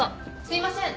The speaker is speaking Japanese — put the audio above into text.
すいません。